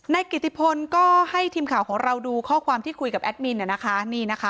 กิติพลก็ให้ทีมข่าวของเราดูข้อความที่คุยกับแอดมินนะคะนี่นะคะ